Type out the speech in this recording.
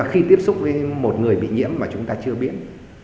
khi tiếp xúc với một người bị nhiễm mà chúng ta chưa biết